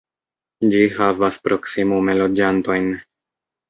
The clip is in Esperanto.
Ĝi havas proksimume loĝantojn.